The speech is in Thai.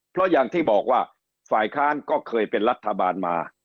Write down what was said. เพราะอย่างที่บอกว่าฝ่ายค้านก็เคยเป็นรัฐบาลมา